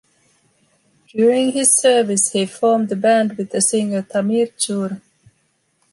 During his service, he formed a band with the singer Tamir Tzur.